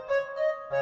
gak ada apa apa